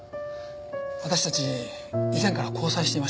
私たち以前から交際していました。